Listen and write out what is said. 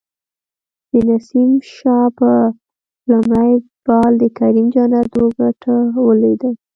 د نسیم شاه په لومړی بال د کریم جنت وکټه ولویده